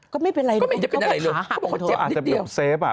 เขาไม่เป็นอะไรมันไปขาหัก